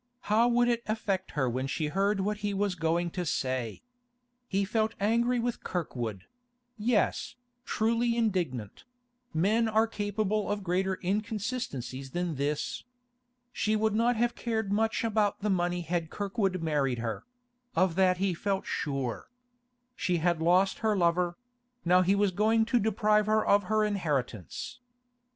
How would it affect her when she heard what he was going to say? He felt angry with Kirkwood; yes, truly indignant—men are capable of greater inconsistencies than this. She would not have cared much about the money had Kirkwood married her; of that he felt sure. She had lost her lover; now he was going to deprive her of her inheritance.